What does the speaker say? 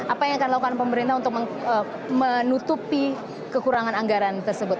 apa yang akan dilakukan pemerintah untuk menutupi kekurangan anggaran tersebut